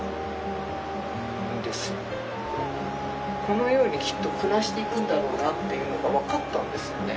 このようにきっと暮らしていくんだろうなっていうのが分かったんですよね。